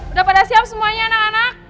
udah pada siap semuanya anak anak